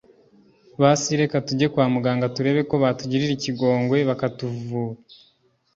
basi reka tujye kwamuganga turebe ko batugirira ikigongwe bakakuvura!!